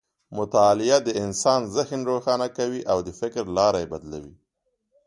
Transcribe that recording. مطالعه د انسان ذهن روښانه کوي او د فکر لاره یې بدلوي.